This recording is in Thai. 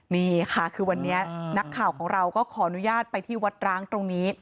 นี่ค่ะคือวันนี้นักข่าวของเราก็ขออนุญาตไปที่วัดร้างตรงนี้